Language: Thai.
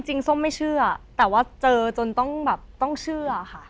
จริงส้มไม่เชื่อแต่ว่าเจอจนต้องเชื่อค่ะ